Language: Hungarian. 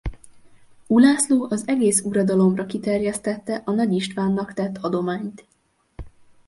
Ulászló az egész uradalomra kiterjesztette a Nagy Istvánnak tett adományt.